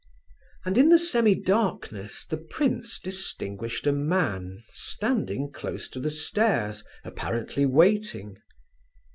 And in the semi darkness the prince distinguished a man standing close to the stairs, apparently waiting.